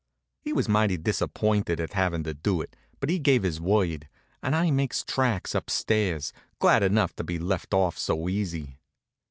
He was mighty disappointed at havin' to do it, but he gave his word, and I makes tracks up stairs, glad enough to be let off so easy.